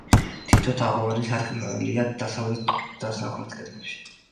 თითო თაღოვანი სარკმელია დასავლეთ და სამხრეთ კედლებში.